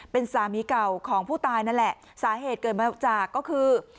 เป็นสามีเก่าของผู้ตายนั่นแหละสาเหตุเกิดมาจากก็คือ